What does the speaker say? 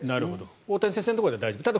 大谷先生のところは大丈夫だと。